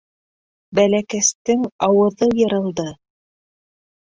Бәләкәстең ауыҙы йырылды.